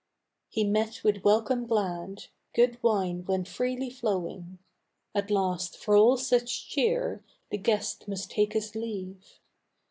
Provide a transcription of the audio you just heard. He met with welcome glad; good wine went freely flowing. At last, for all such cheer, the guest must take his leave.